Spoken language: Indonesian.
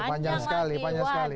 panjang sekali panjang sekali